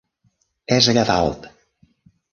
És allà dalt!